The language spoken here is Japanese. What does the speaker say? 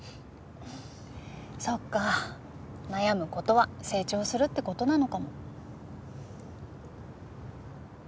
そっか悩む事は成長するって事なのかも。